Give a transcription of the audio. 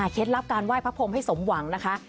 ลับการไหว้พระพรมให้สมหวังนะคะ